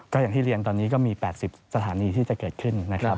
ก็อย่างที่เรียนตอนนี้ก็มี๘๐สถานีที่จะเกิดขึ้นนะครับ